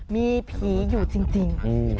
มีผีอยู่จริง